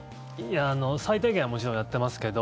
最低限はもちろんやってますけど。